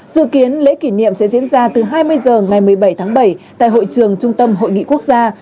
dự kiến lễ kỷ niệm sẽ diễn ra từ hai mươi h ngày một mươi bảy tháng bảy tại hội trường trung tâm hội nghị quốc gia